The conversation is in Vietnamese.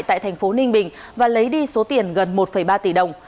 tại thành phố ninh bình và lấy đi số tiền gần một ba tỷ đồng